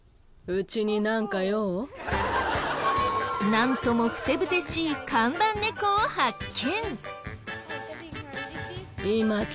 なんともふてぶてしい看板猫を発見。